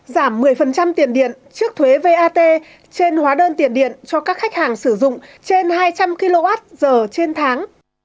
giảm một mươi tiền điện trước thuế vat trên hóa đơn tiền điện cho các khách hàng sử dụng trên hai trăm linh kwh trên tháng